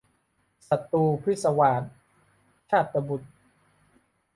ศัตรูพิศวาส - ชาตบุษย์